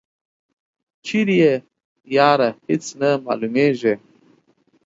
چیری یی یاره هیڅ نه معلومیږي.